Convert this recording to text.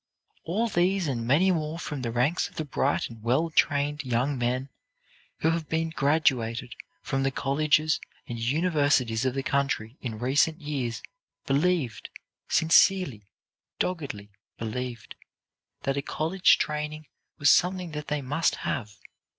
All these and many more from the ranks of the bright and well trained young men who have been graduated from the colleges and universities of the country in recent years believed sincerely, doggedly believed that a college training was something that they must have.